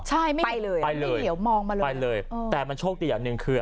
ใช่ไปเลยไปเลยมองมาเลยไปเลยแต่มันโชคดีอันหนึ่งคือ